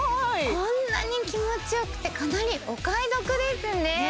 こんなに気持ちよくてかなりお買い得ですね